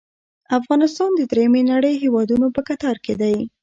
افغانستان د دریمې نړۍ هیوادونو په کتار کې دی.